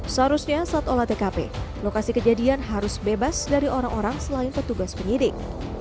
seharusnya saat olah tkp lokasi kejadian harus bebas dari orang orang selain petugas penyidik